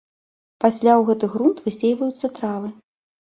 Пасля ў гэты грунт высейваюцца травы.